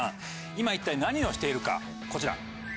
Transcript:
今一体何をしているかこちら。